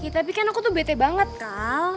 tapi kan aku tuh bete banget kan